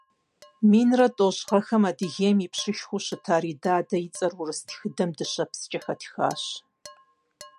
Минрэ тӏощӏ гъэхэм Адыгейм и пщышхуэу щыта Ридадэ и цӏэр урыс тхыдэм дыщэпскӏэ хэтхащ.